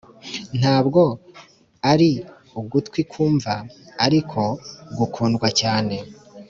ntabwo ari ugutwi kwumva, ariko, gukundwa cyane,